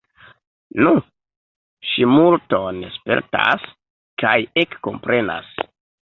Nu, ŝi multon spertas, kaj ekkomprenas.